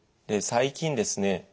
最近ですね